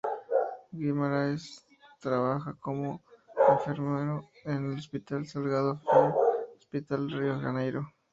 Guimarães trabajaba como enfermero en el Hospital Salgado Filho Hospital de Río de Janeiro.